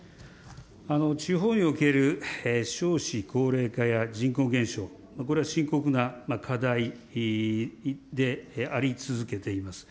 地方における少子高齢化や人口減少、これは深刻な課題であり続けています。